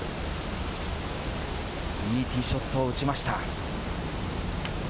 いいティーショットを打ちました。